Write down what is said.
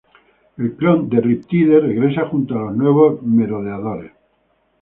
El clon de Riptide regresa junto a los nuevos Merodeadores.